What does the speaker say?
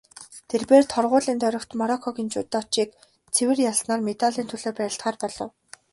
Тэр бээр торгуулийн тойрогт Мороккогийн жүдочийг цэвэр ялснаар медалийн төлөө барилдахаар болов.